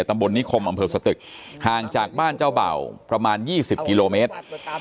ตำบลนิคมอำเภอสตึกห่างจากบ้านเจ้าเบ่าประมาณ๒๐กิโลเมตร